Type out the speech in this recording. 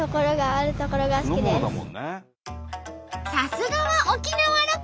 さすがは沖縄ロコ！